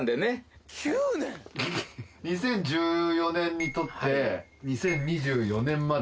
２０１４年に取って２０２４年まで。